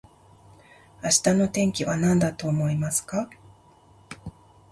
明日の天気はなんだと思いますか